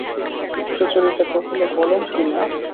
সুচরিতা কহিল, বলেন কী মা?